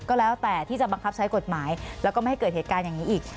ก็แล้วแต่ที่จะบังคับใช้กฎหมายแล้วก็ไม่ให้เกิดเหตุการณ์อย่างนี้อีก